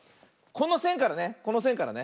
このせんからねこのせんからね。